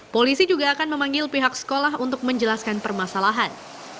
polisi juga akan memanggil pihak sekolah untuk menjelaskan permasalahan